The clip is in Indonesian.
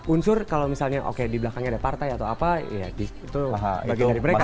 unsur kalau misalnya oke di belakangnya ada partai atau apa ya itulah bagian dari mereka